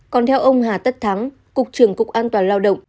còn theo ông hà tất thắng cục trưởng cục an toàn lao động